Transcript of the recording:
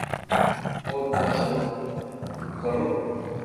او ٿو ھارو ڪرو